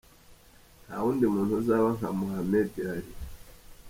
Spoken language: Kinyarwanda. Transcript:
Ntawundi muntu uzaba nka Muhammed Ali.